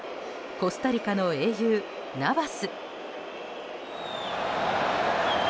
コスタリカの英雄、ナバス。